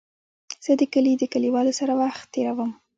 زه د کلي د کليوالو سره وخت تېرووم.